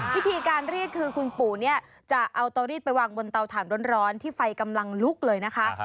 วิธีการรีดคือคุณปู่เนี่ยจะเอาเตารีดไปวางบนเตาถ่านร้อนที่ไฟกำลังลุกเลยนะคะ